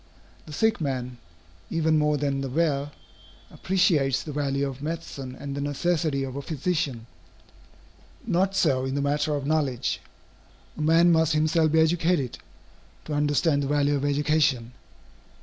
The sick man, even more than the well, appreciates the value of medicine and the necessity of a physician. Not so in the matter of knowledge. A man must himself be educated, to understand the value of education.